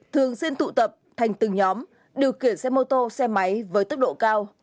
thường xin tụ tập thành từng nhóm điều kiện xe mô tô xe máy với tốc độ cao